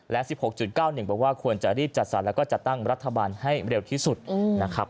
และ๑๖๙๑บอกว่าควรจะรีบจัดสรรแล้วก็จัดตั้งรัฐบาลให้เร็วที่สุดนะครับ